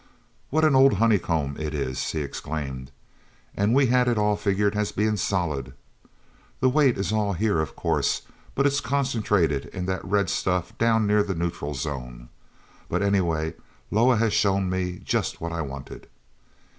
"What an old honeycomb it is!" he exclaimed. "And we had it all figured as being solid. The weight is all here, of course, but it's concentrated in that red stuff down near the neutral zone. But anyway, Loah has shown me just what I wanted."